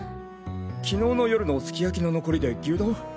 昨日の夜のすき焼きの残りで牛丼？